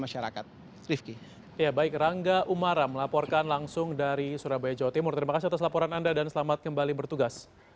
masyarakat rangga umara melaporkan langsung dari surabaya jawa timur terima kasih atas laporan anda